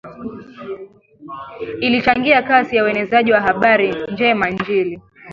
ilichangia kasi ya uenezaji wa habari njema Injili